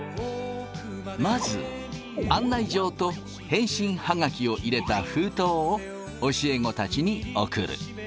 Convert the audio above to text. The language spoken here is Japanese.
まず案内状と返信ハガキを入れた封筒を教え子たちに送る。